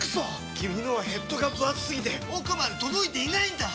君のはヘッドがぶ厚すぎて奥まで届いていないんだっ！